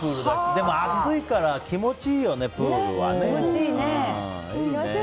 でも暑いから気持ちいいよね、プールはね。